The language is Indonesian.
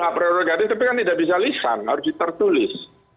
hak prerogatif tapi kan tidak bisa lisan harus ditertulis